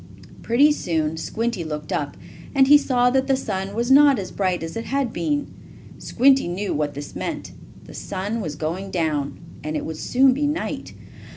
Pretty soon Squinty looked up, and he saw that the sun was not as bright as it had been. Squinty knew what this meant. The sun was going down, and it would soon be night.